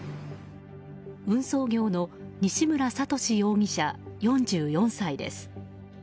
運送業の西村智至容疑者、４４歳です。